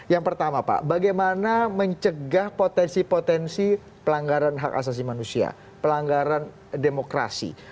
yang pertama pak bagaimana mencegah potensi potensi pelanggaran hak asasi manusia pelanggaran demokrasi